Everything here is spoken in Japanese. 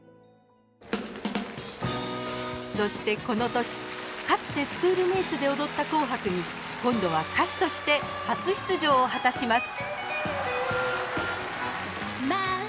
そしてこの年かつてスクール・メイツで踊った「紅白」に今度は歌手として初出場を果たします。